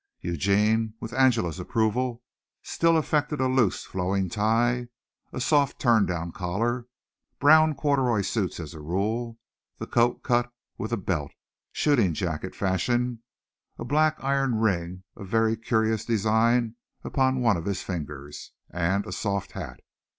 Eugene, with Angela's approval, still affected a loose, flowing tie, a soft turn down collar, brown corduroy suits as a rule, the coat cut with a belt, shooting jacket fashion, a black iron ring of very curious design upon one of his fingers, and a soft hat.